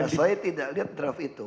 saya tidak lihat draft itu